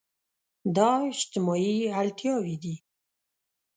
دا اجتماعي اړتياوې دي.